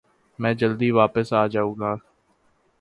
میں جلدی داپس آجاؤنگا ۔